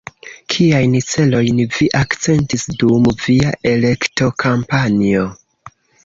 Kiajn celojn vi akcentis dum via elektokampanjo?